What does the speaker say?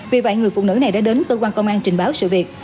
vì vậy người phụ nữ này đã đến cơ quan công an trình báo sự việc